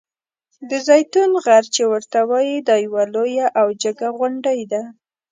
د زیتون غر چې ورته وایي دا یوه لویه او جګه غونډۍ ده.